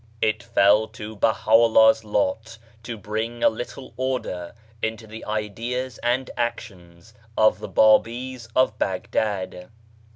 It fell to Baha'u'llah's lot to bring a little order into the ideas and actions of the Babis of Baghdad.